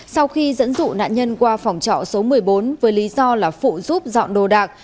sau khi dẫn dụ nạn nhân qua phòng trọ số một mươi bốn với lý do là phụ giúp dọn đồ đạc